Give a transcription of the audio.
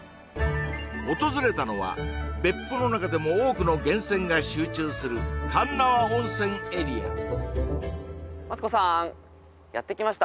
訪れたのは別府の中でも多くの源泉が集中する鉄輪温泉エリアマツコさんやってきました